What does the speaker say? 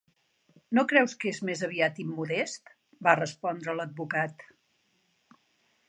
"No creus que és més aviat immodest?", va respondre l'advocat.